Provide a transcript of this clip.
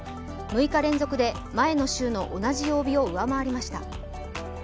６日連続で前の週の同じ曜日を上回りました。